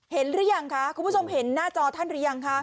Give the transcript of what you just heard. หรือยังคะคุณผู้ชมเห็นหน้าจอท่านหรือยังคะ